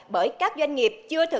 bởi các doanh nghiệp chưa có quyền lợi